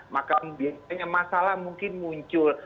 maka biasanya masalah mungkin muncul